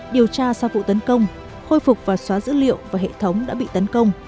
điều tra sau vụ tấn công khôi phục và xóa dữ liệu và hệ thống đã bị tấn công